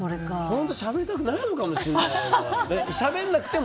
本当はしゃべりたくないのかもしれない。